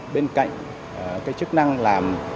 bên cạnh cái chức năng làm